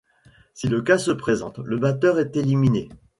Si le cas se présente, le batteur est éliminé.